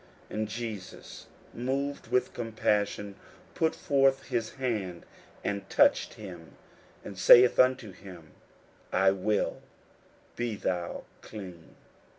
41:001:041 And Jesus, moved with compassion, put forth his hand, and touched him, and saith unto him, I will; be thou clean.